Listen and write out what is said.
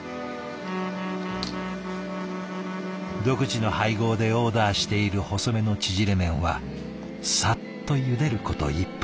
独自の配合でオーダーしている細めの縮れ麺はさっとゆでること１分。